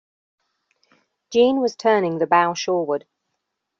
Jeanne was turning the bow shoreward.